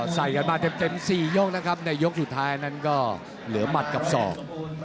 ใส่กันมาเต็ม๔ยกนะครับในยกสุดท้ายนั้นก็เหลือหมัดกับศอก